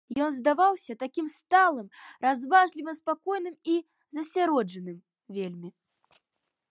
Ён здаваўся такім сталым, разважлівым, спакойным і засяроджаным вельмі.